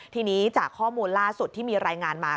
ทีนี้จากข้อมูลล่าสุดที่มีรายงานมา